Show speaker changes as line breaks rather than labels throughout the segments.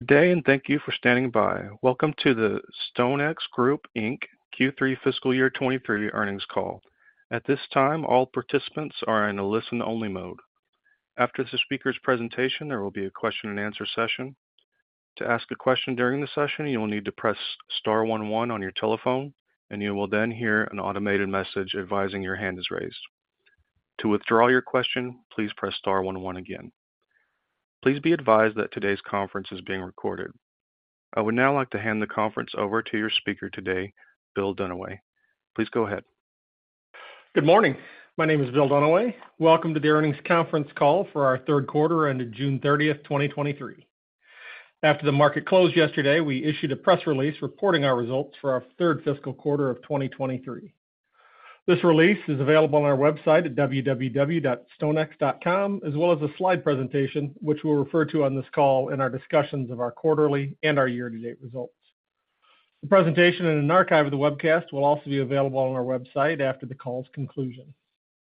Good day, and thank you for standing by. Welcome to the StoneX Group Inc. Q3 Fiscal Year 2023 earnings call. At this time, all participants are in a listen-only mode. After the speaker's presentation, there will be a question and answer session. To ask a question during the session, you will need to press star one one on your telephone, and you will then hear an automated message advising your hand is raised. To withdraw your question, please press star one one again. Please be advised that today's conference is being recorded. I would now like to hand the conference over to your speaker today, Bill Dunaway. Please go ahead.
Good morning. My name is Bill Dunaway. Welcome to the earnings conference call for our third quarter ended June 30th, 2023. After the market closed yesterday, we issued a press release reporting our results for our third fiscal quarter of 2023. This release is available on our website at www.stonex.com, as well as a slide presentation, which we'll refer to on this call in our discussions of our quarterly and our year-to-date results. The presentation and an archive of the webcast will also be available on our website after the call's conclusion.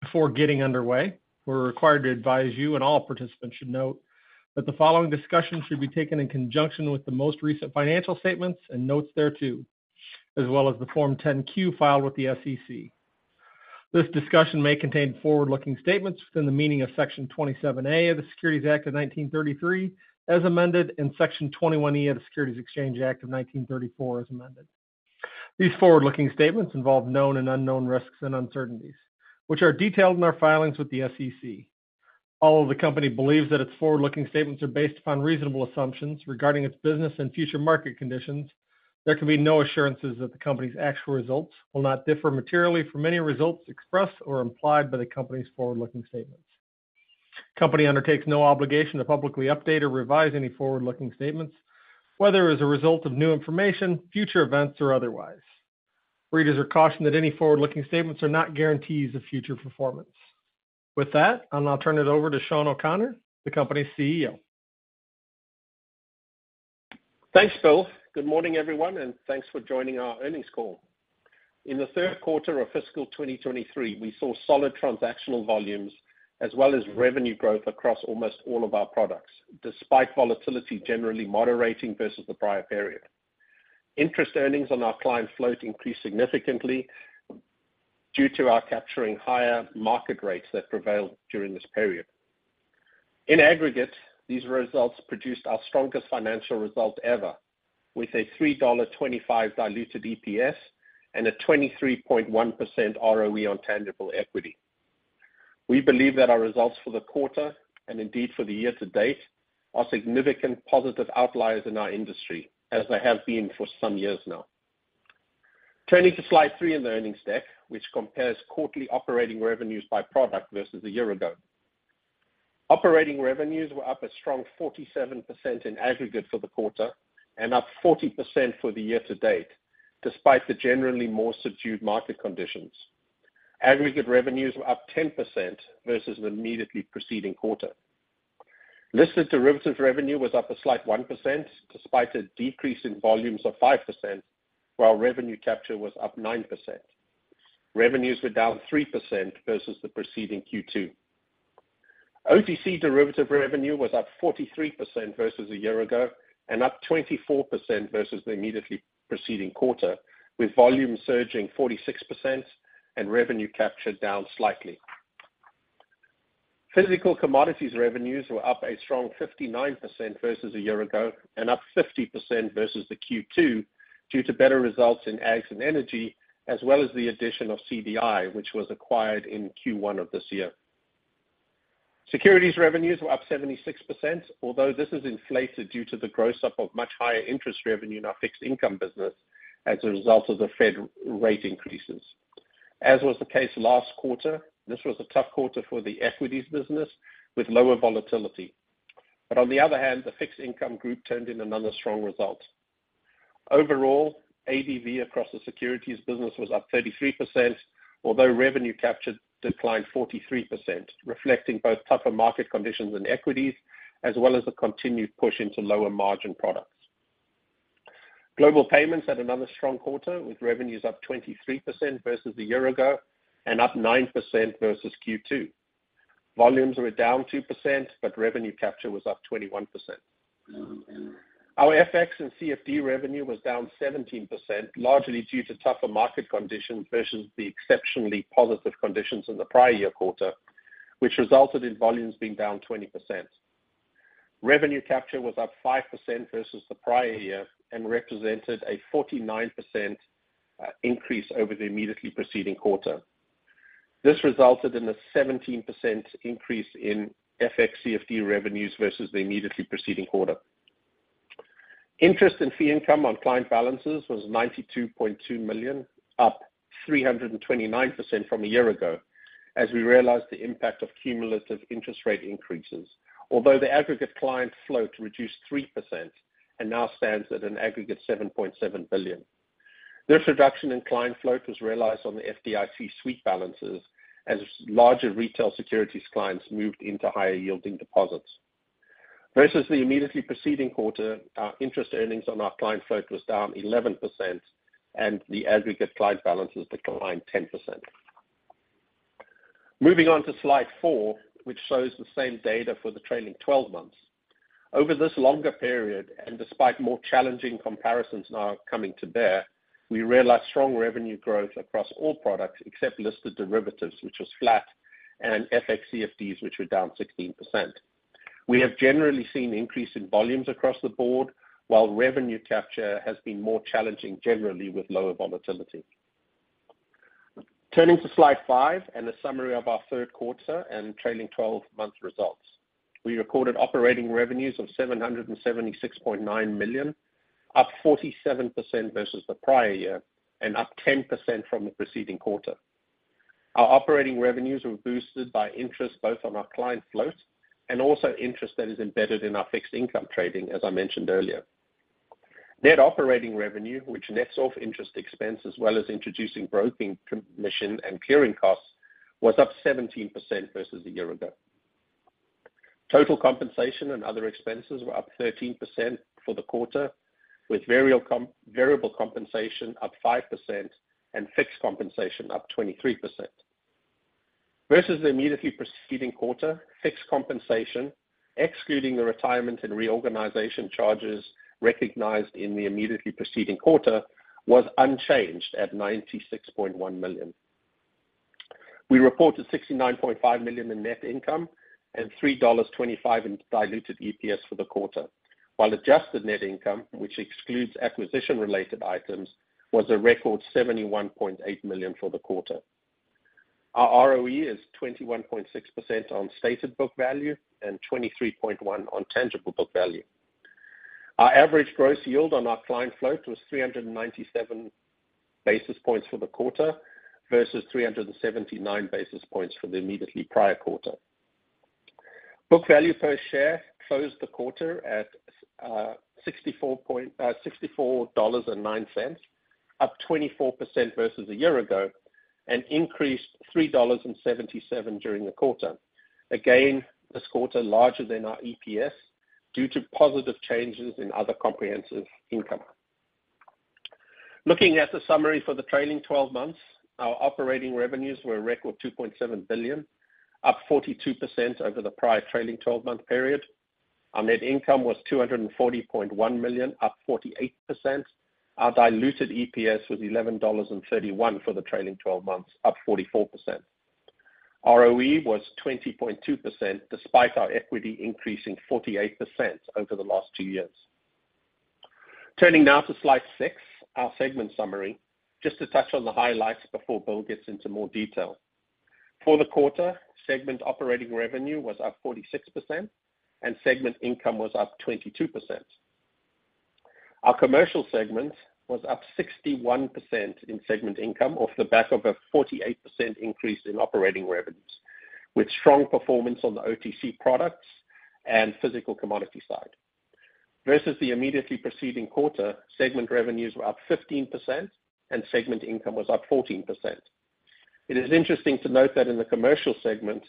Before getting underway, we're required to advise you, and all participants should note, that the following discussion should be taken in conjunction with the most recent financial statements and notes thereto, as well as the Form 10-Q filed with the SEC. This discussion may contain forward-looking statements within the meaning of Section 27A of the Securities Act of 1933, as amended, and Section 21E of the Securities Exchange Act of 1934, as amended. These forward-looking statements involve known and unknown risks and uncertainties, which are detailed in our filings with the SEC. Although the company believes that its forward-looking statements are based upon reasonable assumptions regarding its business and future market conditions, there can be no assurances that the company's actual results will not differ materially from any results expressed or implied by the company's forward-looking statements. The company undertakes no obligation to publicly update or revise any forward-looking statements, whether as a result of new information, future events, or otherwise. Readers are cautioned that any forward-looking statements are not guarantees of future performance. With that, I'll now turn it over to Sean O'Connor, the company's CEO.
Thanks, Bill. Good morning, everyone, and thanks for joining our earnings call. In the third quarter of fiscal 2023, we saw solid transactional volumes, as well as revenue growth across almost all of our products, despite volatility generally moderating versus the prior period. Interest earnings on our client float increased significantly, due to our capturing higher market rates that prevailed during this period. In aggregate, these results produced our strongest financial result ever, with a $3.25 diluted EPS and a 23.1% ROE on tangible equity. We believe that our results for the quarter, and indeed for the year to date, are significant positive outliers in our industry, as they have been for some years now. Turning to Slide 3 in the earnings deck, which compares quarterly operating revenues by product versus a year ago. Operating revenues were up a strong 47% in aggregate for the quarter and up 40% for the year to date, despite the generally more subdued market conditions. Aggregate revenues were up 10% versus the immediately preceding quarter. Listed derivatives revenue was up a slight 1%, despite a decrease in volumes of 5%, while revenue capture was up 9%. Revenues were down 3% versus the preceding Q2. OTC derivative revenue was up 43% versus a year ago and up 24% versus the immediately preceding quarter, with volumes surging 46% and revenue captured down slightly. Physical commodities revenues were up a strong 59% versus a year ago and up 50% versus the Q2, due to better results in ags and energy, as well as the addition of CDI, which was acquired in Q1 of this year. Securities revenues were up 76%, although this is inflated due to the gross up of much higher interest revenue in our fixed income business as a result of the Fed rate increases. As was the case last quarter, this was a tough quarter for the equities business, with lower volatility. On the other hand, the fixed income group turned in another strong result. Overall, ADV across the securities business was up 33%, although revenue captured declined 43%, reflecting both tougher market conditions and equities, as well as a continued push into lower margin products. Global Payments had another strong quarter, with revenues up 23% versus a year ago and up 9% versus Q2. Volumes were down 2%, but revenue capture was up 21%. Our FX and CFD revenue was down 17%, largely due to tougher market conditions versus the exceptionally positive conditions in the prior year quarter, which resulted in volumes being down 20%. Revenue capture was up 5% versus the prior year and represented a 49% increase over the immediately preceding quarter. This resulted in a 17% increase in FX CFD revenues versus the immediately preceding quarter. Interest in fee income on client balances was $92.2 million, up 329% from a year ago, as we realized the impact of cumulative interest rate increases. Although the aggregate client float reduced 3% and now stands at an aggregate $7.7 billion. This reduction in client float was realized on the FDIC sweep balances as larger retail securities clients moved into higher-yielding deposits. Versus the immediately preceding quarter, our interest earnings on our client float was down 11%, and the aggregate client balances declined 10%. Moving on to slide 4, which shows the same data for the trailing 12 months. Over this longer period, and despite more challenging comparisons now coming to bear, we realized strong revenue growth across all products except listed derivatives, which was flat, and FX CFDs, which were down 16%. We have generally seen increase in volumes across the board, while revenue capture has been more challenging, generally with lower volatility. Turning to slide 5, and a summary of our third quarter and trailing 12-month results. We recorded operating revenues of $776.9 million, up 47% versus the prior year, and up 10% from the preceding quarter. Our operating revenues were boosted by interest, both on our client float, and also interest that is embedded in our fixed income trading, as I mentioned earlier. Net operating revenue, which nets off interest expense, as well as introducing broking commission and clearing costs, was up 17% versus a year ago. Total compensation and other expenses were up 13% for the quarter, with variable compensation up 5% and fixed compensation up 23%. Versus the immediately preceding quarter, fixed compensation, excluding the retirement and reorganization charges recognized in the immediately preceding quarter, was unchanged at $96.1 million. We reported $69.5 million in net income, and $3.25 in diluted EPS for the quarter. While adjusted net income, which excludes acquisition-related items, was a record $71.8 million for the quarter. Our ROE is 21.6% on stated book value, and 23.1 on tangible book value. Our average gross yield on our client float was 397 basis points for the quarter, versus 379 basis points for the immediately prior quarter. Book value per share closed the quarter at, $64.09, up 24% versus a year ago, and increased $3.77 during the quarter. Again, this quarter larger than our EPS, due to positive changes in other comprehensive income. Looking at the summary for the trailing 12 months, our operating revenues were a record $2.7 billion, up 42% over the prior trailing 12-month period. Our net income was $240.1 million, up 48%. Our diluted EPS was $11.31 for the trailing 12 months, up 44%. ROE was 20.2%, despite our equity increasing 48% over the last 2 years. Turning now to slide 6, our segment summary. Just to touch on the highlights before Bill gets into more detail. For the quarter, segment operating revenue was up 46% and segment income was up 22%. Our commercial segment was up 61% in segment income, off the back of a 48% increase in operating revenues, with strong performance on the OTC products and physical commodity side. Versus the immediately preceding quarter, segment revenues were up 15% and segment income was up 14%. It is interesting to note that in the commercial segment,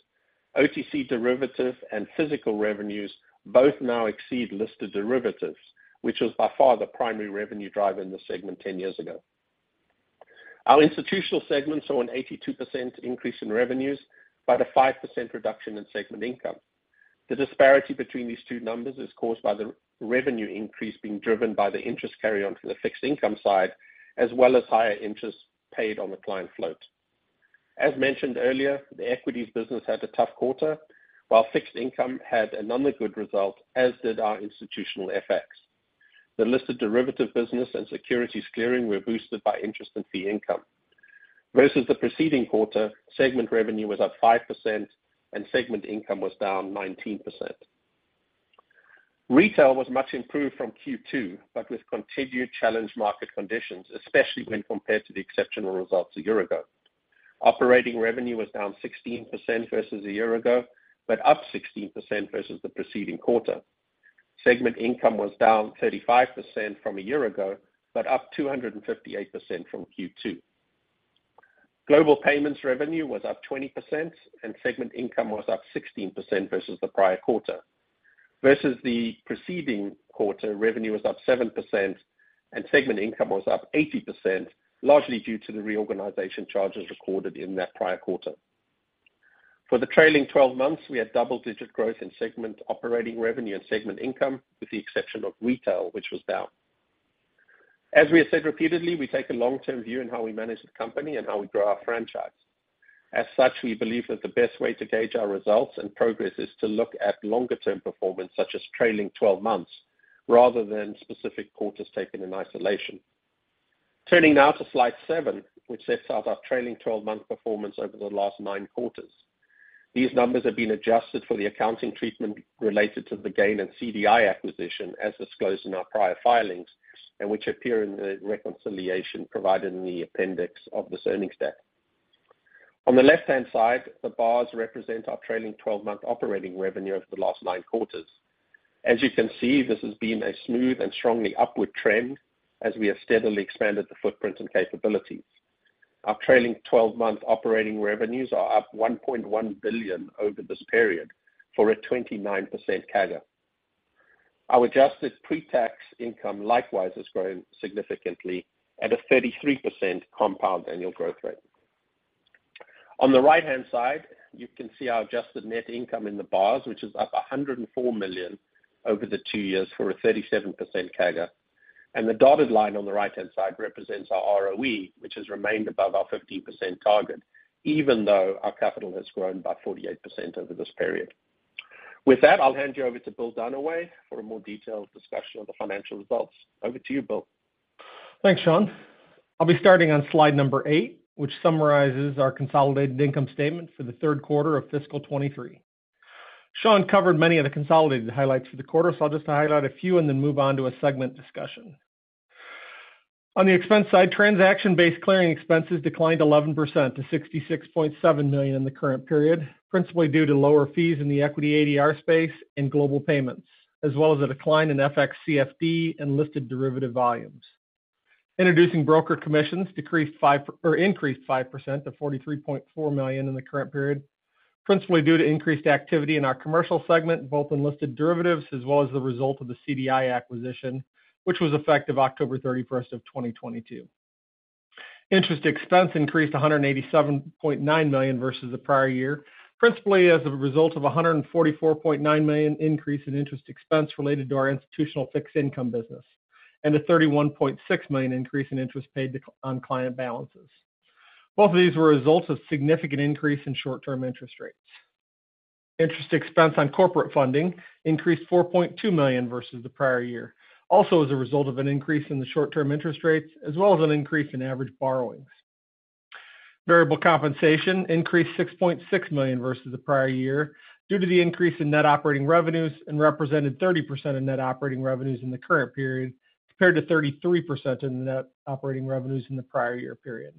OTC derivatives and physical revenues both now exceed listed derivatives, which was by far the primary revenue driver in this segment ten years ago. Our institutional segments saw an 82% increase in revenues, but a 5% reduction in segment income. The disparity between these two numbers is caused by the revenue increase being driven by the interest carry on from the fixed income side, as well as higher interest paid on the client float. As mentioned earlier, the equities business had a tough quarter, while fixed income had another good result, as did our institutional FX. The listed derivative business and securities clearing were boosted by interest and fee income. Versus the preceding quarter, segment revenue was up 5% and segment income was down 19%. Retail was much improved from Q2, with continued challenged market conditions, especially when compared to the exceptional results a year ago. Operating revenue was down 16% versus a year ago, up 16% versus the preceding quarter. Segment income was down 35% from a year ago, up 258% from Q2. Global payments revenue was up 20%, segment income was up 16% versus the prior quarter. Versus the preceding quarter, revenue was up 7%, segment income was up 80%, largely due to the reorganization charges recorded in that prior quarter. For the trailing 12 months, we had double-digit growth in segment operating revenue and segment income, with the exception of retail, which was down. As we have said repeatedly, we take a long-term view in how we manage the company and how we grow our franchise. As such, we believe that the best way to gauge our results and progress is to look at longer term performance, such as trailing 12 months, rather than specific quarters taken in isolation. Turning now to slide 7, which sets out our trailing 12-month performance over the last 9 quarters. These numbers have been adjusted for the accounting treatment related to the gain and CDI acquisition, as disclosed in our prior filings, and which appear in the reconciliation provided in the appendix of this earnings deck. On the left-hand side, the bars represent our trailing 12-month operating revenue over the last 9 quarters. As you can see, this has been a smooth and strongly upward trend as we have steadily expanded the footprint and capabilities. Our trailing 12-month operating revenues are up $1.1 billion over this period, for a 29% CAGR. Our adjusted pre-tax income likewise has grown significantly at a 33% compound annual growth rate. On the right-hand side, you can see our adjusted net income in the bars, which is up $104 million over the two years for a 37% CAGR. The dotted line on the right-hand side represents our ROE, which has remained above our 15% target, even though our capital has grown by 48% over this period. With that, I'll hand you over to Bill Dunaway for a more detailed discussion of the financial results. Over to you, Bill.
Thanks, Sean. I'll be starting on slide 8, which summarizes our consolidated income statement for the third quarter of fiscal 2023. Sean covered many of the consolidated highlights for the quarter, so I'll just highlight a few and then move on to a segment discussion. On the expense side, transaction-based clearing expenses declined 11% to $66.7 million in the current period, principally due to lower fees in the equity ADR space and global payments, as well as a decline in FX CFD and listed derivative volumes. Introducing broker commissions increased 5% to $43.4 million in the current period, principally due to increased activity in our commercial segment, both in listed derivatives as well as the result of the CDI acquisition, which was effective October 31, 2022. Interest expense increased $187.9 million versus the prior year, principally as a result of a $144.9 million increase in interest expense related to our institutional fixed income business, and a $31.6 million increase in interest paid to, on client balances. Both of these were a result of significant increase in short-term interest rates. Interest expense on corporate funding increased $4.2 million versus the prior year, also as a result of an increase in the short-term interest rates, as well as an increase in average borrowings. Variable compensation increased $6.6 million versus the prior year, due to the increase in net operating revenues and represented 30% of net operating revenues in the current period, compared to 33% in the net operating revenues in the prior year period.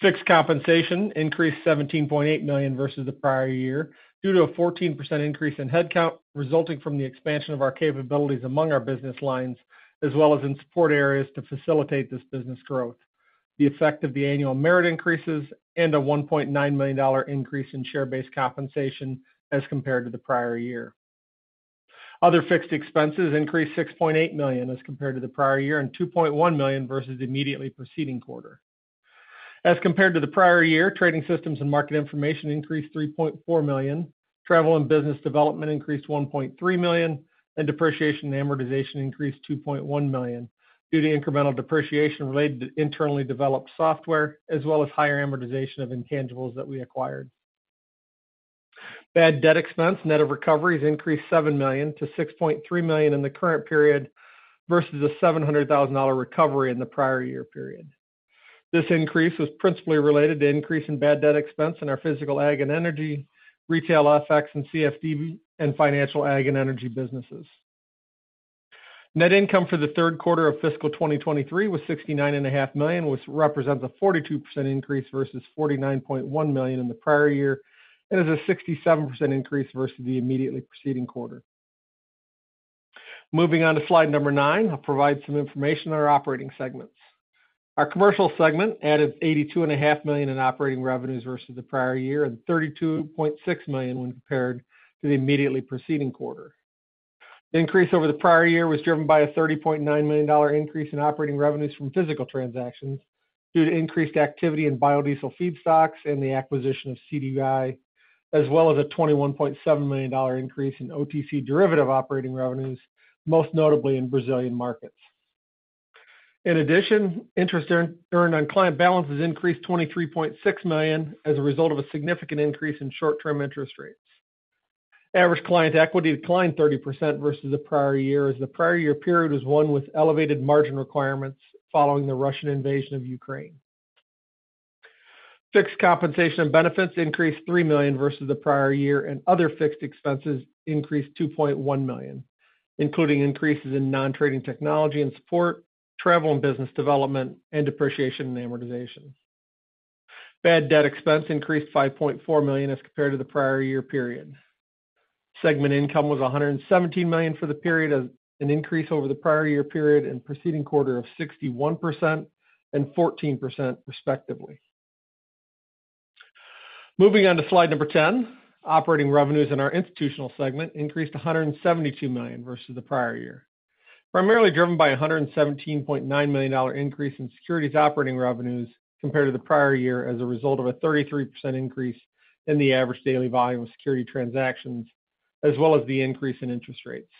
Fixed compensation increased $17.8 million versus the prior year, due to a 14% increase in headcount, resulting from the expansion of our capabilities among our business lines, as well as in support areas to facilitate this business growth. The effect of the annual merit increases and a $1.9 million increase in share-based compensation as compared to the prior year. Other fixed expenses increased $6.8 million as compared to the prior year, and $2.1 million versus the immediately preceding quarter. As compared to the prior year, trading systems and market information increased $3.4 million, travel and business development increased $1.3 million, and depreciation and amortization increased $2.1 million, due to incremental depreciation related to internally developed software, as well as higher amortization of intangibles that we acquired. Bad debt expense, net of recoveries, increased $7 million to $6.3 million in the current period versus a $700,000 recovery in the prior year period. This increase was principally related to increase in bad debt expense in our physical ag and energy, retail FX and CFD, and financial ag and energy businesses. Net income for the third quarter of fiscal 2023 was $69.5 million, which represents a 42% increase versus $49.1 million in the prior year, and is a 67% increase versus the immediately preceding quarter. Moving on to slide number 9, I'll provide some information on our operating segments. Our commercial segment added $82.5 million in operating revenues versus the prior year, and $32.6 million when compared to the immediately preceding quarter. The increase over the prior year was driven by a $30.9 million increase in operating revenues from physical transactions, due to increased activity in biodiesel feedstocks and the acquisition of CDI, as well as a $21.7 million increase in OTC derivative operating revenues, most notably in Brazilian markets. In addition, interest earned on client balances increased $23.6 million as a result of a significant increase in short-term interest rates. Average client equity declined 30% versus the prior year, as the prior year period was one with elevated margin requirements following the Russian invasion of Ukraine. Fixed compensation benefits increased $3 million versus the prior year, and other fixed expenses increased $2.1 million, including increases in non-trading technology and support, travel and business development, and depreciation and amortization. Bad debt expense increased $5.4 million as compared to the prior year period. Segment income was $117 million for the period, as an increase over the prior year period in preceding quarter of 61% and 14% respectively. Moving on to slide number 10. Operating revenues in our institutional segment increased $172 million versus the prior year. Primarily driven by a $117.9 million increase in securities operating revenues compared to the prior year, as a result of a 33% increase in the average daily volume of security transactions, as well as the increase in interest rates.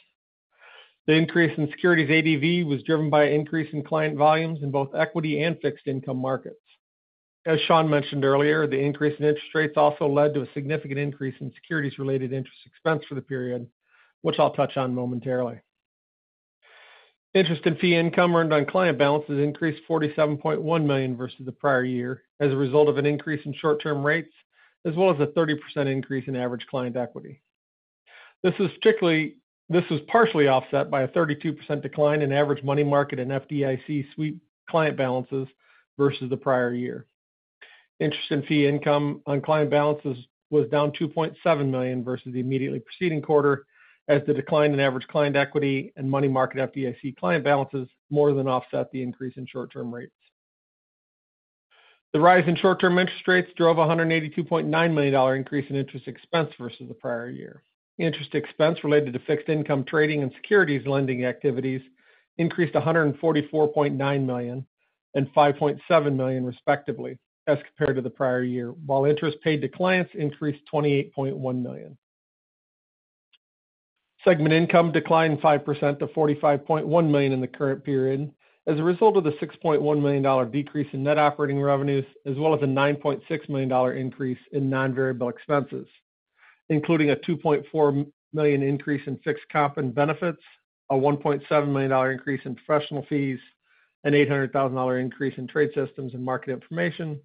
The increase in securities ADV was driven by an increase in client volumes in both equity and fixed income markets. As Sean mentioned earlier, the increase in interest rates also led to a significant increase in securities-related interest expense for the period, which I'll touch on momentarily. Interest and fee income earned on client balances increased $47.1 million versus the prior year, as a result of an increase in short-term rates, as well as a 30% increase in average client equity. This was partially offset by a 32% decline in average money market and FDIC sweep client balances versus the prior year. Interest and fee income on client balances was down $2.7 million versus the immediately preceding quarter, as the decline in average client equity and money market FDIC client balances more than offset the increase in short-term rates. The rise in short-term interest rates drove a $182.9 million increase in interest expense versus the prior year. Interest expense related to fixed income trading and securities lending activities increased $144.9 million and $5.7 million, respectively, as compared to the prior year, while interest paid to clients increased $28.1 million. Segment income declined 5% to $45.1 million in the current period, as a result of the $6.1 million decrease in net operating revenues, as well as a $9.6 million increase in non-variable expenses, including a $2.4 million increase in fixed comp and benefits, a $1.7 million increase in professional fees, an $800,000 increase in trade systems and market information,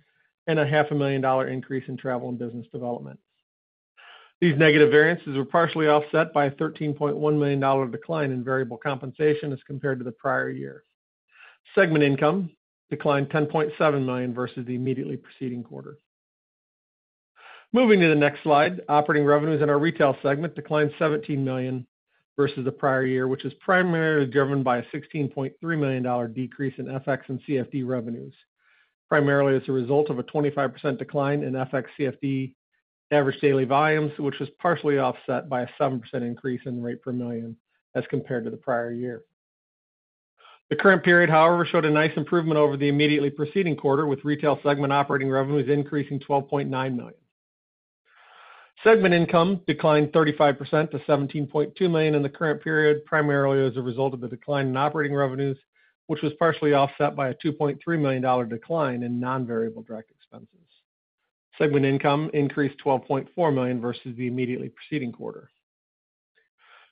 and a $500,000 increase in travel and business development. These negative variances were partially offset by a $13.1 million decline in variable compensation as compared to the prior year. Segment income declined $10.7 million versus the immediately preceding quarter. Moving to the next slide, operating revenues in our retail segment declined $17 million versus the prior year, which is primarily driven by a $16.3 million decrease in FX and CFD revenues, primarily as a result of a 25% decline in FX CFD average daily volumes, which was partially offset by a 7% increase in the rate per million as compared to the prior year. The current period, however, showed a nice improvement over the immediately preceding quarter, with retail segment operating revenues increasing $12.9 million. Segment income declined 35% to $17.2 million in the current period, primarily as a result of the decline in operating revenues, which was partially offset by a $2.3 million decline in non-variable direct expenses. Segment income increased $12.4 million versus the immediately preceding quarter.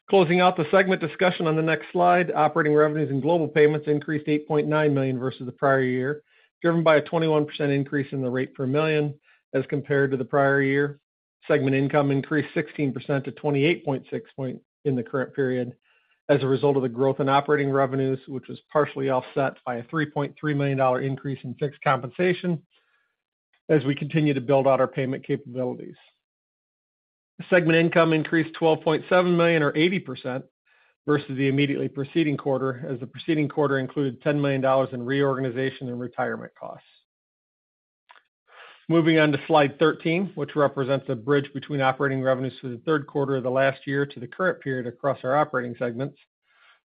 Closing out the segment discussion on the next slide, operating revenues and global payments increased $8.9 million versus the prior year, driven by a 21% increase in the rate per million as compared to the prior year. Segment income increased 16% to $28.6 point in the current period, as a result of the growth in operating revenues, which was partially offset by a $3.3 million increase in fixed compensation as we continue to build out our payment capabilities. Segment income increased $12.7 million, or 80%, versus the immediately preceding quarter, as the preceding quarter included $10 million in reorganization and retirement costs. Moving on to Slide 13, which represents a bridge between operating revenues for the third quarter of the last year to the current period across our operating segments.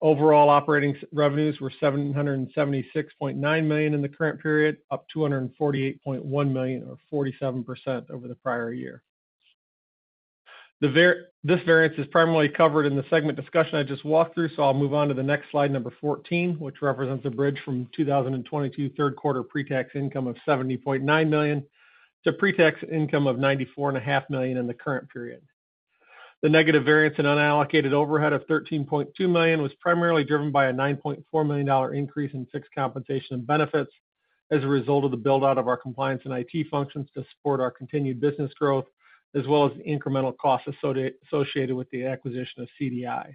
Overall, operating revenues were $776.9 million in the current period, up $248.1 million, or 47%, over the prior year. This variance is primarily covered in the segment discussion I just walked through, so I'll move on to the next slide, number 14, which represents a bridge from 2022 third quarter pre-tax income of $70.9 million to pre-tax income of $94.5 million in the current period. The negative variance in unallocated overhead of $13.2 million was primarily driven by a $9.4 million increase in fixed compensation and benefits as a result of the build-out of our compliance and IT functions to support our continued business growth, as well as the incremental costs associated with the acquisition of CDI.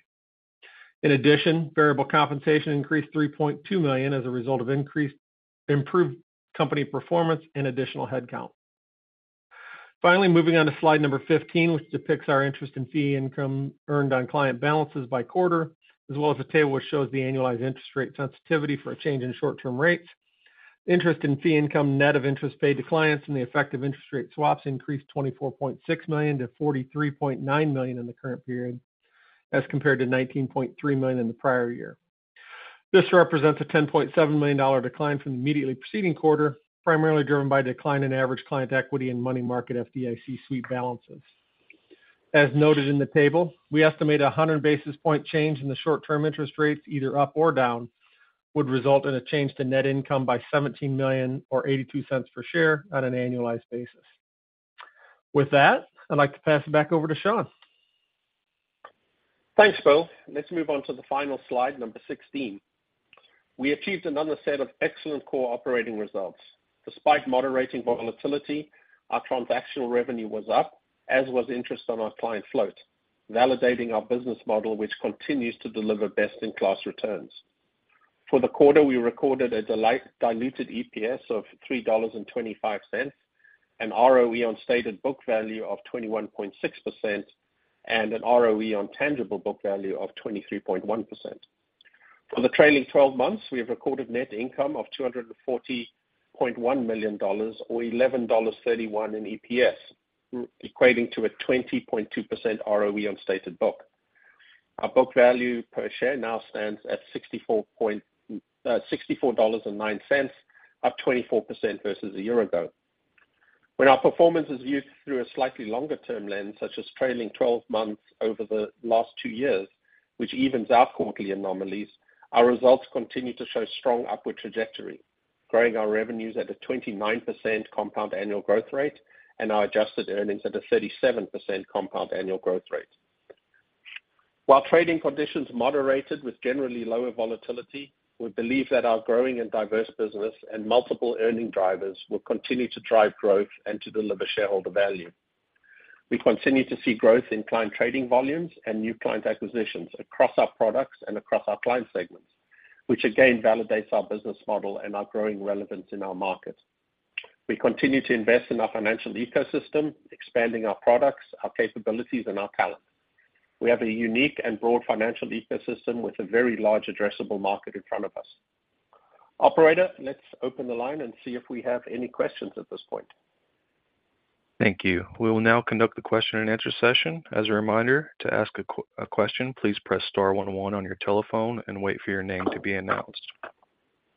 In addition, variable compensation increased $3.2 million as a result of increased, improved company performance and additional headcount. Finally, moving on to slide number 15, which depicts our interest in fee income earned on client balances by quarter, as well as a table which shows the annualized interest rate sensitivity for a change in short-term rates. Interest and fee income, net of interest paid to clients and the effect of interest rate swaps, increased $24.6 million to $43.9 million in the current period, as compared to $19.3 million in the prior year. This represents a $10.7 million decline from the immediately preceding quarter, primarily driven by a decline in average client equity and money market FDIC sweep balances. As noted in the table, we estimate a 100 basis point change in the short-term interest rates, either up or down, would result in a change to net income by $17 million or $0.82 per share on an annualized basis. With that, I'd like to pass it back over to Sean.
Thanks, Bill. Let's move on to the final slide, number 16. We achieved another set of excellent core operating results. Despite moderating volatility, our transactional revenue was up, as was interest on our client float, validating our business model, which continues to deliver best-in-class returns. For the quarter, we recorded a diluted EPS of $3.25, an ROE on stated book value of 21.6%, and an ROE on tangible book value of 23.1%. For the trailing 12 months, we have recorded net income of $240.1 million, or $11.31 in EPS, equating to a 20.2% ROE on stated book. Our book value per share now stands at $64.09, up 24% versus a year ago. When our performance is viewed through a slightly longer-term lens, such as trailing 12 months over the last 2 years, which evens out quarterly anomalies, our results continue to show strong upward trajectory, growing our revenues at a 29% compound annual growth rate and our adjusted earnings at a 37% compound annual growth rate. While trading conditions moderated with generally lower volatility, we believe that our growing and diverse business and multiple earning drivers will continue to drive growth and to deliver shareholder value. We continue to see growth in client trading volumes and new client acquisitions across our products and across our client segments, which again validates our business model and our growing relevance in our market. We continue to invest in our financial ecosystem, expanding our products, our capabilities, and our talent. We have a unique and broad financial ecosystem with a very large addressable market in front of us. Operator, let's open the line and see if we have any questions at this point.
Thank you. We will now conduct the question and answer session. As a reminder, to ask a question, please press star 11 on your telephone and wait for your name to be announced.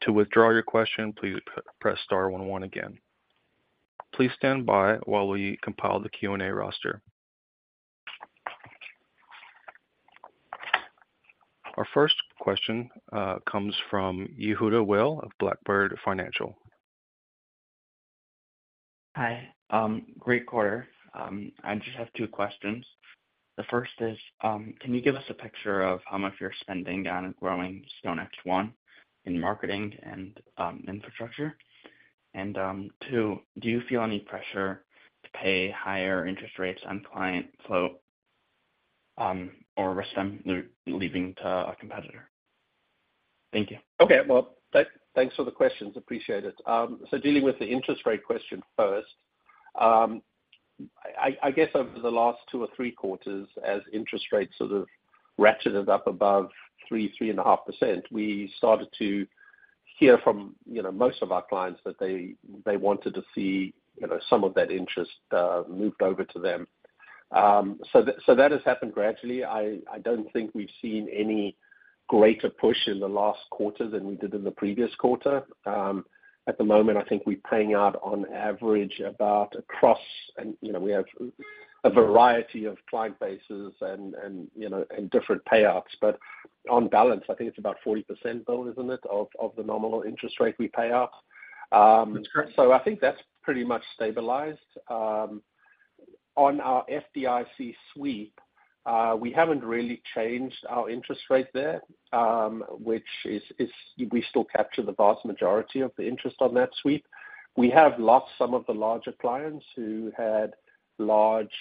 To withdraw your question, please press star 11 again. Please stand by while we compile the Q&A roster. Our first question comes from Yehuda Weil of Blackbird Financial.
Hi, great quarter. I just have two questions. The first is, can you give us a picture of how much you're spending on growing StoneX One in marketing and infrastructure? Two, do you feel any pressure to pay higher interest rates on client flow, or risk them leaving to a competitor? Thank you.
Okay. Well, thanks for the questions. Appreciate it. Dealing with the interest rate question first. I guess over the last two or three quarters, as interest rates sort of ratcheted up above 3, 3.5%, we started to hear from, you know, most of our clients that they, they wanted to see, you know, some of that interest moved over to them. That has happened gradually. I don't think we've seen any greater push in the last quarter than we did in the previous quarter. At the moment, I think we're paying out on average about, you know, we have a variety of client bases and, you know, and different payouts, but on balance, I think it's about 40%, Bill, isn't it, of the nominal interest rate we pay out? I think that's pretty much stabilized. On our FDIC sweep, we haven't really changed our interest rate there, which is, is we still capture the vast majority of the interest on that sweep. We have lost some of the larger clients who had large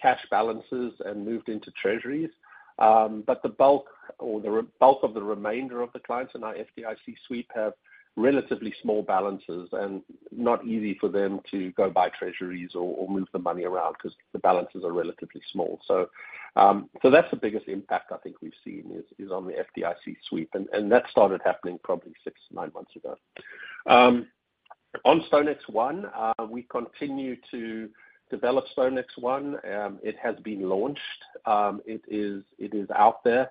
cash balances and moved into Treasuries. The bulk or the bulk of the remainder of the clients in our FDIC sweep have relatively small balances and not easy for them to go buy Treasuries or, or move the money around because the balances are relatively small. That's the biggest impact I think we've seen is, is on the FDIC sweep, and, and that started happening probably 6-9 months ago. On StoneX One, we continue to develop StoneX One. It has been launched. It is, it is out there.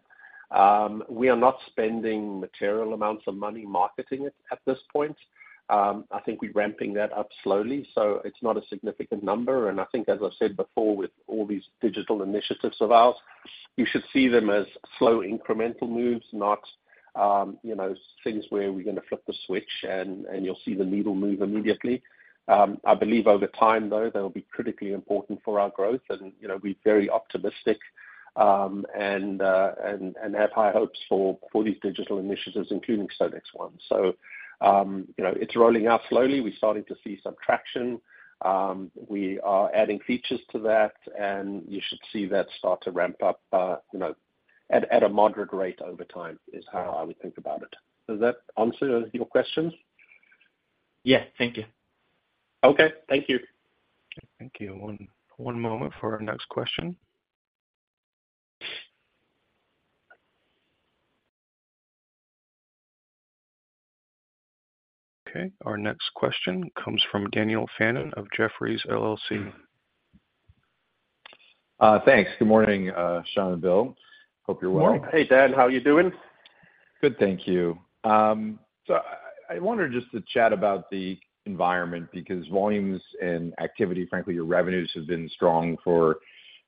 We are not spending material amounts of money marketing it at this point. I think we're ramping that up slowly, so it's not a significant number. I think, as I said before, with all these digital initiatives of ours, you should see them as slow, incremental moves, not, you know, things where we're gonna flip the switch and, and you'll see the needle move immediately. I believe over time, though, they'll be critically important for our growth, and, you know, we're very optimistic, and, and have high hopes for, for these digital initiatives, including StoneX One. You know, it's rolling out slowly. We're starting to see some traction. We are adding features to that, and you should see that start to ramp up, you know, at, at a moderate rate over time, is how I would think about it. Does that answer your questions?
Yeah. Thank you.
Okay, thank you.
Thank you. One moment for our next question. Okay, our next question comes from Daniel Fannon of Jefferies LLC.
Thanks. Good morning, Sean and Bill. Hope you're well.
Hey, Dan. How are you doing?
Good. Thank you. I, I wanted just to chat about the environment, because volumes and activity, frankly, your revenues have been strong for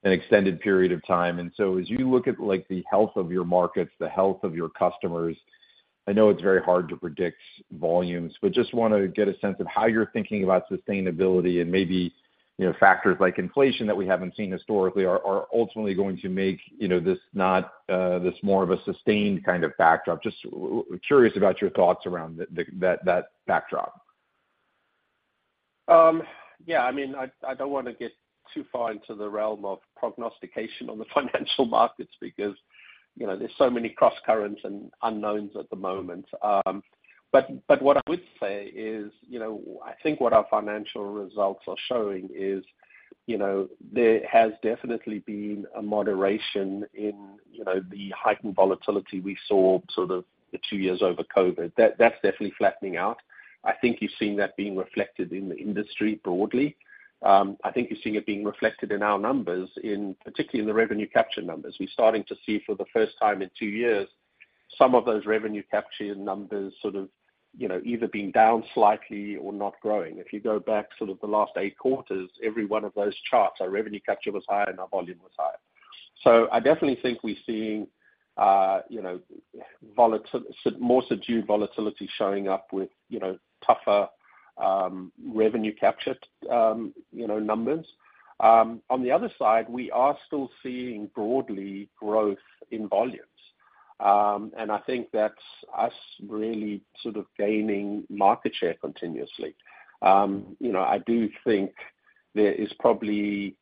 an extended period of time. As you look at, like, the health of your markets, the health of your customers, I know it's very hard to predict volumes, but just wanna get a sense of how you're thinking about sustainability and maybe, you know, factors like inflation that we haven't seen historically are, are ultimately going to make, you know, this not, this more of a sustained kind of backdrop. Just curious about your thoughts around that, that backdrop.
Yeah, I mean, I, I don't wanna get too far into the realm of prognostication on the financial markets, because, you know, there's so many crosscurrents and unknowns at the moment. But what I would say is, you know, I think what our financial results are showing is, you know, there has definitely been a moderation in, you know, the heightened volatility we saw sort of the 2 years over COVID. That's definitely flattening out. I think you've seen that being reflected in the industry broadly. I think you're seeing it being reflected in our numbers, in particularly in the revenue capture numbers. We're starting to see for the first time in 2 years, some of those revenue capture numbers sort of, you know, either being down slightly or not growing. If you go back sort of the last 8 quarters, every one of those charts, our revenue capture was higher and our volume was higher. I definitely think we're seeing, you know, more subdued volatility showing up with, you know, tougher revenue captured, you know, numbers. On the other side, we are still seeing broadly growth in volumes. I think that's us really sort of gaining market share continuously. You know, I do think there is probably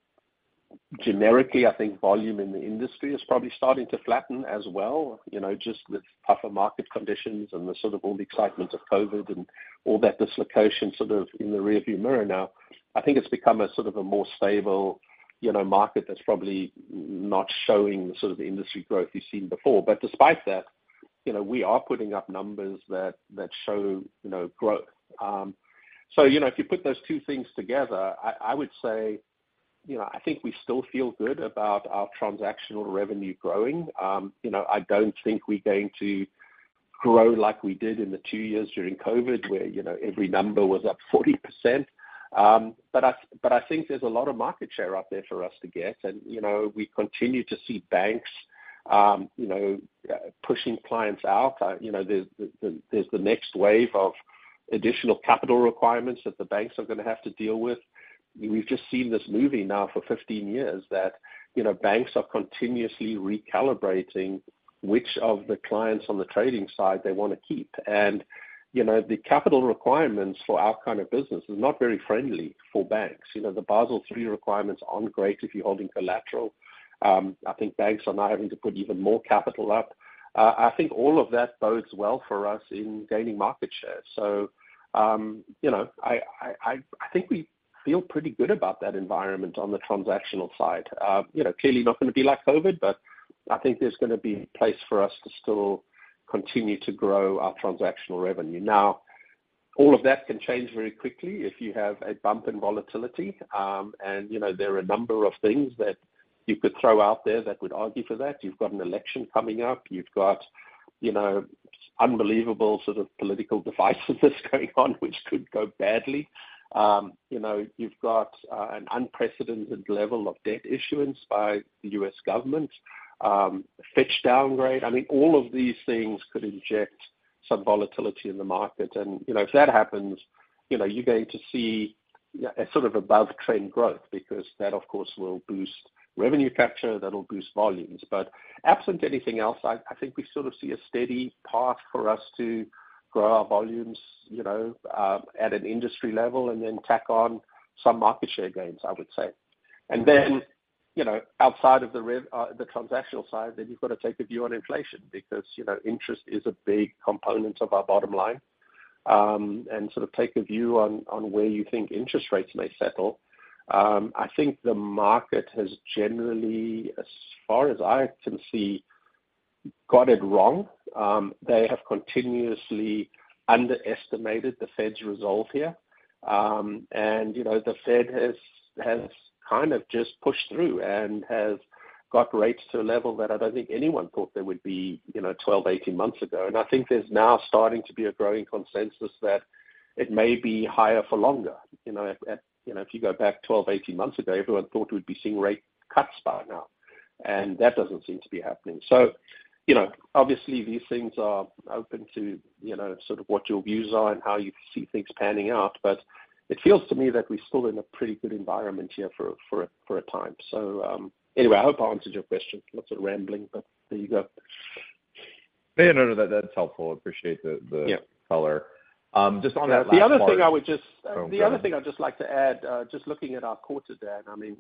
Generically, I think volume in the industry is probably starting to flatten as well, you know, just with tougher market conditions and the sort of all the excitement of COVID and all that dislocation sort of in the rearview mirror now. I think it's become a sort of a more stable, you know, market that's probably not showing the sort of industry growth we've seen before. Despite that, you know, we are putting up numbers that, that show, you know, growth. You know, if you put those two things together, I, I would say, you know, I think we still feel good about our transactional revenue growing. You know, I don't think we're going to grow like we did in the 2 years during COVID, where, you know, every number was up 40%. I think there's a lot of market share out there for us to get, and, you know, we continue to see banks, you know, pushing clients out. You know, there's, there's the next wave of additional capital requirements that the banks are gonna have to deal with. We've just seen this movie now for 15 years that, you know, banks are continuously recalibrating which of the clients on the trading side they wanna keep. You know, the capital requirements for our kind of business is not very friendly for banks. You know, the Basel III requirements aren't great if you're holding collateral. I think banks are now having to put even more capital up. I think all of that bodes well for us in gaining market share. You know, I, I, I, I think we feel pretty good about that environment on the transactional side. you know, clearly not gonna be like COVID, but I think there's gonna be a place for us to still continue to grow our transactional revenue. Now, all of that can change very quickly if you have a bump in volatility. You know, there are a number of things that you could throw out there that would argue for that. You've got an election coming up. You've got, you know, unbelievable sort of political devices going on, which could go badly. You know, you've got an unprecedented level of debt issuance by the U.S. government, Fitch downgrade. I mean, all of these things could inject some volatility in the market, and, you know, if that happens, you know, you're going to see a sort of above-trend growth, because that, of course, will boost revenue capture, that'll boost volumes. Absent anything else, I, I think we sort of see a steady path for us to grow our volumes, you know, at an industry level, then tack on some market share gains, I would say. Then, you know, outside of the rev- the transactional side, then you've gotta take a view on inflation because, you know, interest is a big component of our bottom line. Sort of take a view on, on where you think interest rates may settle. I think the market has generally, as far as I can see, got it wrong. They have continuously underestimated the Fed's resolve here. You know, the Fed has, has kind of just pushed through and has got rates to a level that I don't think anyone thought they would be, you know, 12, 18 months ago. I think there's now starting to be a growing consensus that it may be higher for longer. You know, you know, if you go back 12, 18 months ago, everyone thought we'd be seeing rate cuts by now, and that doesn't seem to be happening. Obviously, you know, these things are open to, you know, sort of what your views are and how you see things panning out, but it feels to me that we're still in a pretty good environment here for a time. Anyway, I hope I answered your question. Lots of rambling, but there you go.
Yeah, no, no, that, that's helpful. Appreciate the.
Yeah
color. Just on that last part.
The other thing I would just-
Oh, go ahead.
The other thing I'd just like to add, just looking at our quarter there. I mean,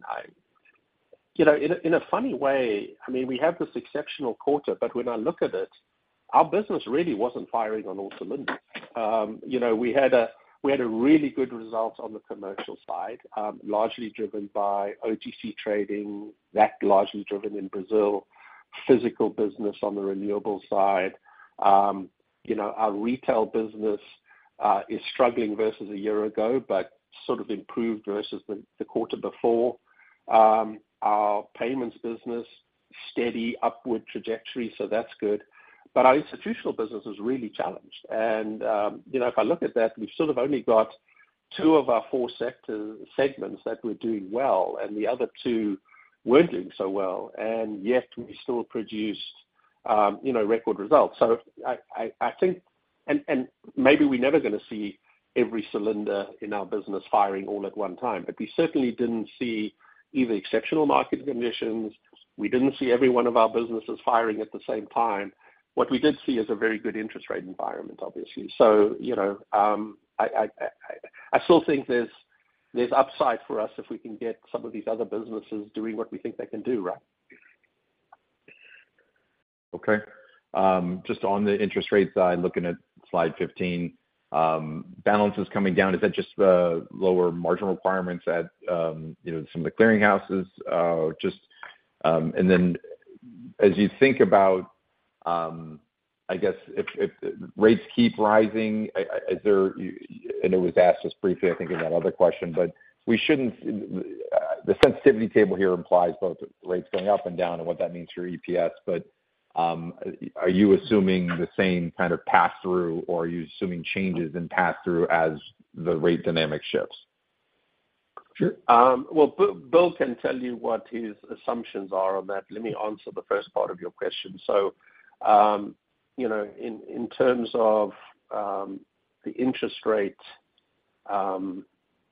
you know, in a, in a funny way, I mean, we have this exceptional quarter, but when I look at it, our business really wasn't firing on all cylinders. You know, we had a, we had a really good result on the commercial side, largely driven by OTC trading, that largely driven in Brazil, physical business on the renewables side. You know, our retail business is struggling versus a year ago, but sort of improved versus the, the quarter before. Our payments business, steady upward trajectory, so that's good. Our institutional business is really challenged. You know, if I look at that, we've sort of only got 2 of our 4 sector segments that we're doing well, and the other 2 weren't doing so well, and yet we still produced, you know, record results. Maybe we're never gonna see every cylinder in our business firing all at one time, but we certainly didn't see either exceptional market conditions, we didn't see every one of our businesses firing at the same time. What we did see is a very good interest rate environment, obviously. You know, I still think there's, there's upside for us if we can get some of these other businesses doing what we think they can do right.
Okay. Just on the interest rate side, looking at slide 15, balances coming down, is that just the lower marginal requirements at, you know, some of the clearinghouses? Just. As you think about, I guess, if rates keep rising, is there, and it was asked just briefly, I think, in that other question, but we shouldn't, the sensitivity table here implies both rates going up and down and what that means for your EPS, but, are you assuming the same kind of pass-through, or are you assuming changes in pass-through as the rate dynamic shifts?
Sure. Well, Bill, Bill can tell you what his assumptions are on that. Let me answer the first part of your question. You know, in terms of the interest rate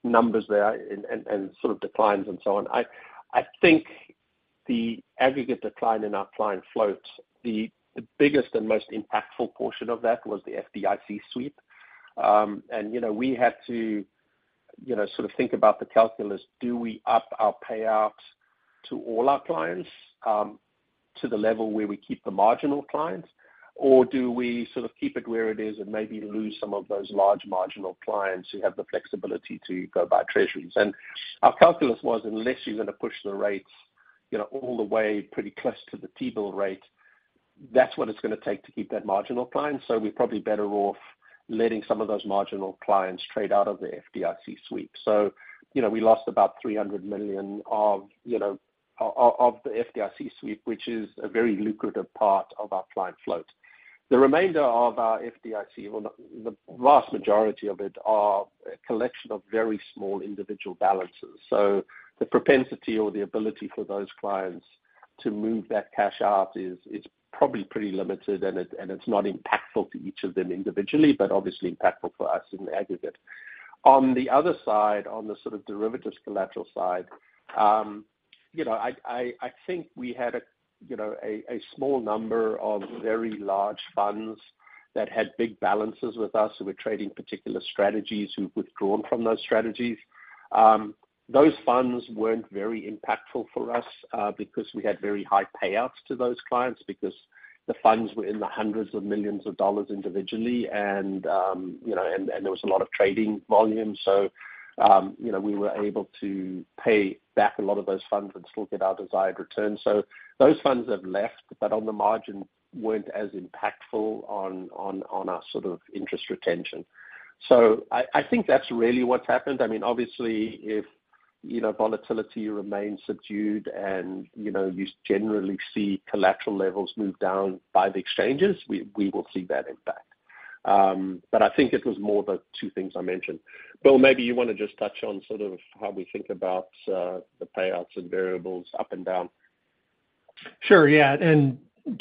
numbers there and, and, and sort of declines and so on, I, I think the aggregate decline in our client float, the, the biggest and most impactful portion of that was the FDIC sweep. You know, we had to, you know, sort of think about the calculus, do we up our payouts to all our clients to the level where we keep the marginal clients? Or do we sort of keep it where it is and maybe lose some of those large marginal clients who have the flexibility to go buy Treasuries? And our calculus was, unless you're gonna push the rates-... you know, all the way pretty close to the T-bill rate, that's what it's gonna take to keep that marginal client. We're probably better off letting some of those marginal clients trade out of the FDIC sweep. You know, we lost about $300 million of, you know, of the FDIC sweep, which is a very lucrative part of our client float. The remainder of our FDIC, well, the vast majority of it are a collection of very small individual balances. The propensity or the ability for those clients to move that cash out is, it's probably pretty limited, and it's not impactful to each of them individually, but obviously impactful for us in the aggregate. On the other side, on the sort of derivatives collateral side, you know, I, I, I think we had a, you know, a small number of very large funds that had big balances with us, who were trading particular strategies, who've withdrawn from those strategies. Those funds weren't very impactful for us because we had very high payouts to those clients because the funds were in the hundreds of millions of dollars individually and, you know, and, and there was a lot of trading volume. You know, we were able to pay back a lot of those funds and still get our desired return. Those funds have left, but on the margin, weren't as impactful on, on, on our sort of interest retention. I, I think that's really what's happened. I mean, obviously, if, you know, volatility remains subdued and, you know, you generally see collateral levels move down by the exchanges, we, we will see that impact. I think it was more the 2 things I mentioned. Bill, maybe you wanna just touch on sort of how we think about the payouts and variables up and down.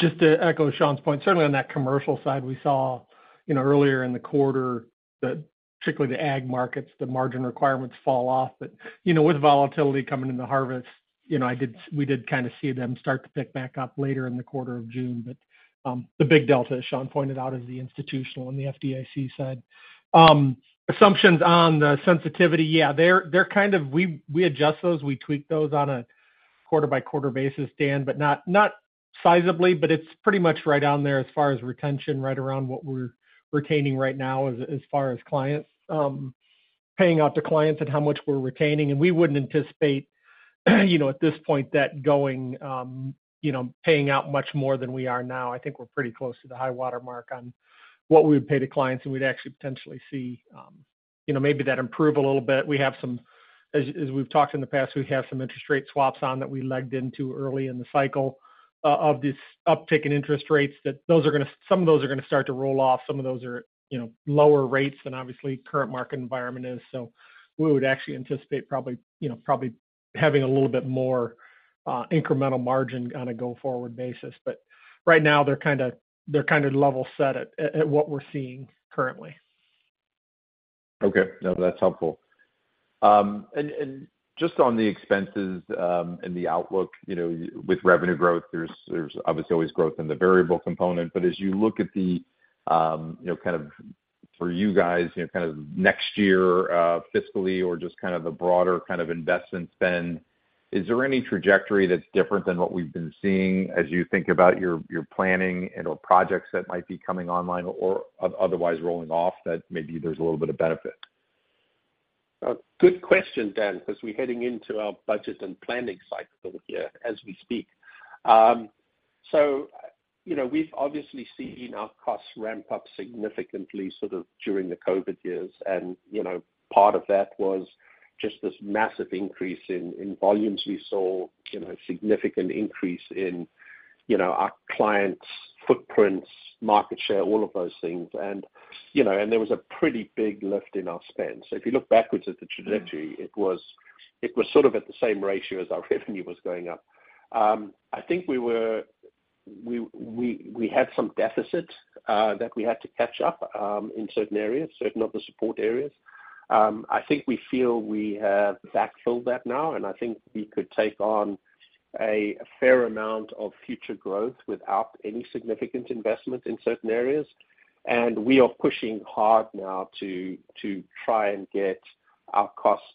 Just to echo Sean's point, certainly on that commercial side, we saw, you know, earlier in the quarter that particularly the ag markets, the margin requirements fall off. The big delta, as Sean pointed out, is the institutional and the FDIC side. Assumptions on the sensitivity, yeah, they're, they're kind of we, we adjust those, we tweak those on a quarter-by-quarter basis, Dan, but not, not sizably, but it's pretty much right down there as far as retention, right around what we're retaining right now as, as far as clients, paying out to clients and how much we're retaining. We wouldn't anticipate, you know, at this point, that going, you know, paying out much more than we are now. I think we're pretty close to the high water mark on what we would pay to clients, and we'd actually potentially see, you know, maybe that improve a little bit. As, as we've talked in the past, we have some interest rate swaps on that we legged into early in the cycle of this uptick in interest rates, that those are gonna start to roll off. Some of those are, you know, lower rates than obviously current market environment is. We would actually anticipate probably, you know, probably having a little bit more, incremental margin on a go-forward basis. Right now, they're kinda, they're kind of level set at, at, at what we're seeing currently.
Okay. No, that's helpful. And just on the expenses, and the outlook, you know, with revenue growth, there's, there's obviously always growth in the variable component. As you look at the, you know, kind of for you guys, you know, kind of next year, fiscally or just kind of the broader kind of investment spend, is there any trajectory that's different than what we've been seeing as you think about your, your planning and/or projects that might be coming online or otherwise rolling off that maybe there's a little bit of benefit?
Good question, Dan, 'cause we're heading into our budget and planning cycle here as we speak. You know, we've obviously seen our costs ramp up significantly, sort of during the COVID years. You know, part of that was just this massive increase in, in volumes. We saw, you know, significant increase in, you know, our clients' footprints, market share, all of those things. You know, and there was a pretty big lift in our spend. If you look backwards at the trajectory, it was, it was sort of at the same ratio as our revenue was going up. I think we had some deficits that we had to catch up in certain areas, certain of the support areas. I think we feel we have backfilled that now, and I think we could take on a fair amount of future growth without any significant investment in certain areas. We are pushing hard now to, to try and get our costs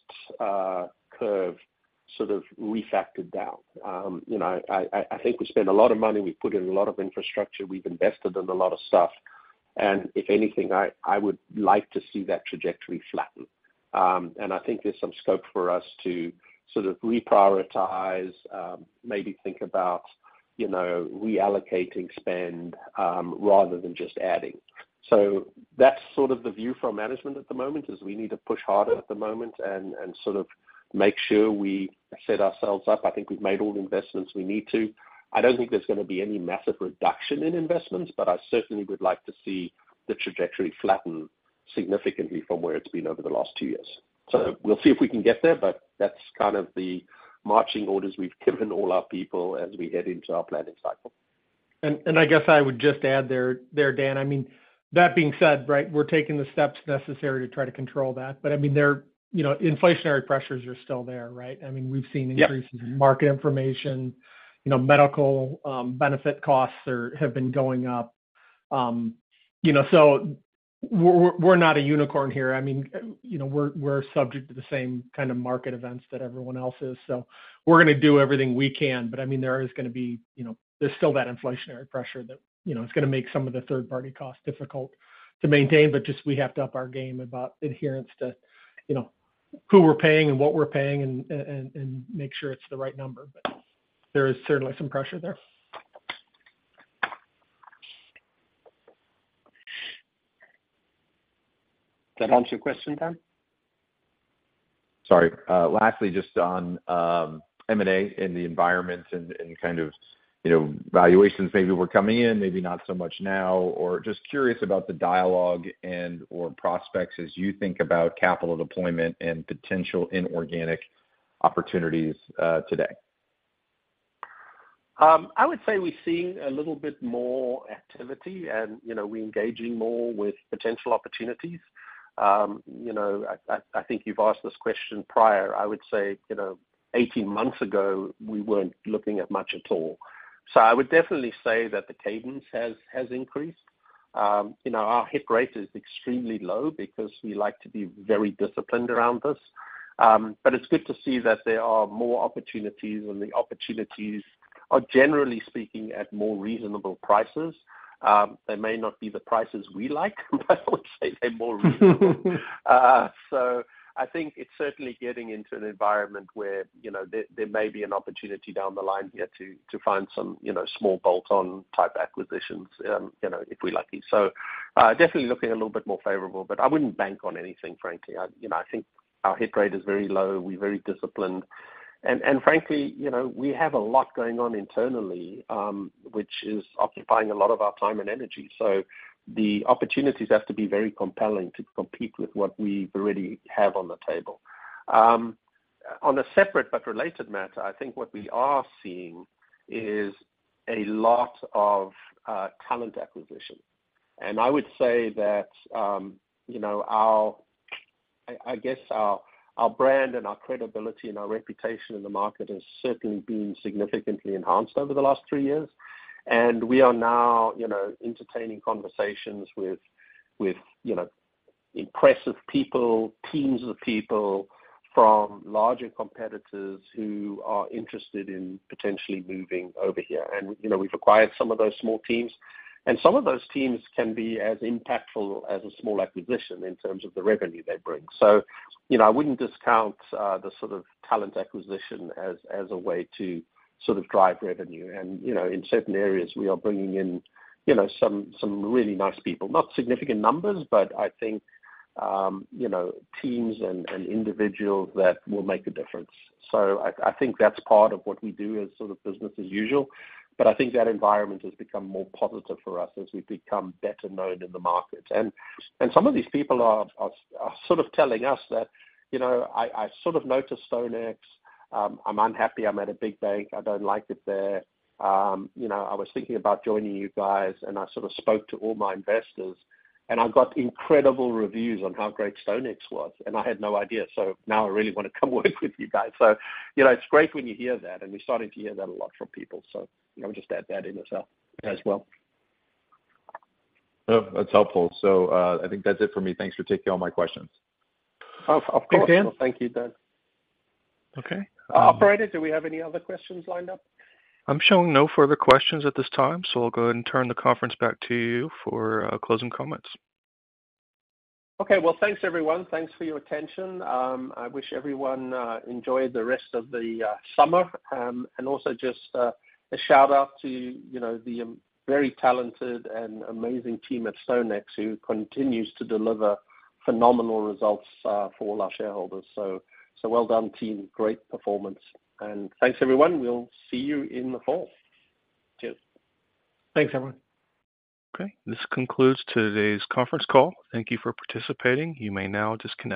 curved, sort of refactored down. You know, I, I, I think I spend a lot of money, we've put in a lot of infrastructure, we've invested in a lot of stuff, and if anything, I, I would like to see that trajectory flatten. And I think there's some scope for us to sort of reprioritize, maybe think about, you know, reallocating spend, rather than just adding. That's sort of the view from management at the moment, is we need to push harder at the moment and, and sort of make sure we set ourselves up. I think we've made all the investments we need to. I don't think there's gonna be any massive reduction in investments, but I certainly would like to see the trajectory flatten significantly from where it's been over the last two years. We'll see if we can get there, but that's kind of the marching orders we've given all our people as we head into our planning cycle.
I guess I would just add there, Dan, I mean, that being said, right, we're taking the steps necessary to try to control that. I mean, there, you know, inflationary pressures are still there, right? I mean, we've seen increases...
Yeah.
in market information, you know, medical, benefit costs are, have been going up. You know, we're, we're, we're not a unicorn here. I mean, you know, we're, we're subject to the same kind of market events that everyone else is. We're gonna do everything we can. I mean, there is gonna be, you know, there's still that inflationary pressure that, you know, it's gonna make some of the third-party costs difficult to maintain. Just we have to up our game about adherence to, you know, who we're paying and what we're paying and, and, and make sure it's the right number. There is certainly some pressure there.
Does that answer your question, Dan?
Sorry. lastly, just on M&A and the environment and, and kind of, you know, valuations maybe were coming in, maybe not so much now, or just curious about the dialogue and/or prospects as you think about capital deployment and potential inorganic opportunities, today.
I would say we're seeing a little bit more activity and, you know, we're engaging more with potential opportunities. You know, I, I, I think you've asked this question prior. I would say, you know, 18 months ago, we weren't looking at much at all. I would definitely say that the cadence has, has increased. You know, our hit rate is extremely low because we like to be very disciplined around this. It's good to see that there are more opportunities, and the opportunities are, generally speaking, at more reasonable prices. They may not be the prices we like, but I would say they're more reasonable. I think it's certainly getting into an environment where, you know, there, there may be an opportunity down the line here to, to find some, you know, small bolt-on type acquisitions, you know, if we're lucky. Definitely looking a little bit more favorable, but I wouldn't bank on anything, frankly. I, you know, I think our hit rate is very low. We're very disciplined, and, and frankly, you know, we have a lot going on internally, which is occupying a lot of our time and energy. The opportunities have to be very compelling to compete with what we already have on the table. On a separate but related matter, I think what we are seeing is a lot of talent acquisition. I would say that, you know, our... I, I guess our, our brand and our credibility and our reputation in the market has certainly been significantly enhanced over the last 3 years. We are now, you know, entertaining conversations with, with, you know, impressive people, teams of people from larger competitors who are interested in potentially moving over here. You know, we've acquired some of those small teams, and some of those teams can be as impactful as a small acquisition in terms of the revenue they bring. You know, I wouldn't discount the sort of talent acquisition as, as a way to sort of drive revenue. You know, in certain areas, we are bringing in, you know, some, some really nice people. Not significant numbers, but I think, you know, teams and, and individuals that will make a difference. I, I think that's part of what we do as sort of business as usual, but I think that environment has become more positive for us as we become better known in the market. And some of these people are, are, are sort of telling us that, "You know, I, I sort of noticed StoneX. I'm unhappy. I'm at a big bank. I don't like it there. You know, I was thinking about joining you guys, and I sort of spoke to all my investors, and I got incredible reviews on how great StoneX was, and I had no idea. Now I really wanna come work with you guys." You know, it's great when you hear that, and we're starting to hear that a lot from people. You know, just add that in itself as well.
Oh, that's helpful. I think that's it for me. Thanks for taking all my questions.
Of course.
Thanks, Dan.
Thank you, Dan.
Okay.
Operator, do we have any other questions lined up?
I'm showing no further questions at this time, so I'll go ahead and turn the conference back to you for closing comments.
Okay. Well, thanks, everyone. Thanks for your attention. I wish everyone enjoyed the rest of the summer. Also just a shout-out to, you know, the very talented and amazing team at StoneX, who continues to deliver phenomenal results for all our shareholders. Well done, team. Great performance. Thanks, everyone. We'll see you in the fall. Cheers.
Thanks, everyone.
Okay, this concludes today's conference call. Thank you for participating. You may now disconnect.